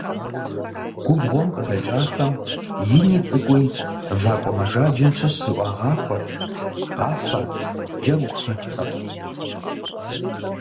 Губгъуэм къыдэкӀахэм ини цӀыкӀуи вакӀуэ мэжаджэм щыщ зыӀуагъахуэрт, къафэ, джэгу хэттэкъым.